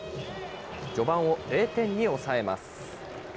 序盤を０点に抑えます。